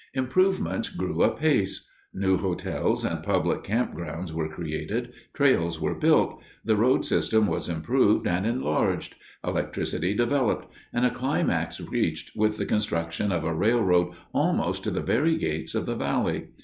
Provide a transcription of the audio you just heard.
Improvements grew apace. New hotels and public camp grounds were created; trails were built; the road system was improved and enlarged; electricity developed; and a climax reached with the construction of a railroad almost to the very gates of the valley.